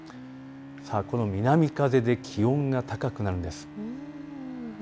この南風で気温が高くなるんです。